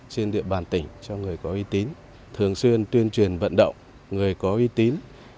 trên địa bàn tỉnh cho người có y tín thường xuyên tuyên truyền vận động người có y tín